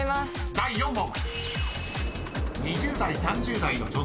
［第４問］